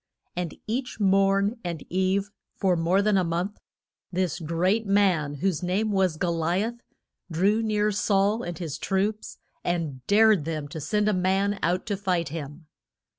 And each morn and eve, for more than a month, this great man, whose name was Go li ath, drew near Saul and his troops and dared them to send a man out to fight him.